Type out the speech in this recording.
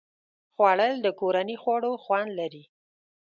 خوړل د کورني خواړو خوند لري